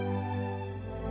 aku tak tahu kenapa